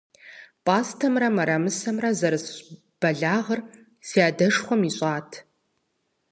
Пӏастэмрэ мэрэмысэмрэ зэрысщӏ бэлагъыр си адшхуэм ищӏат.